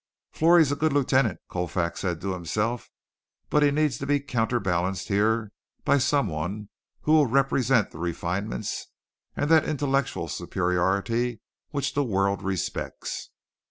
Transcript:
"Florrie's a good lieutenant," Colfax said to himself, "but he needs to be counterbalanced here by someone who will represent the refinements and that intellectual superiority which the world respects."